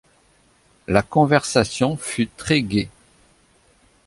La conversation fut très-gaie.